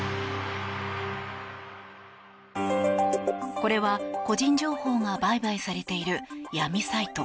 これは、個人情報が売買されている闇サイト。